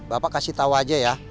bapak kasih tau aja ya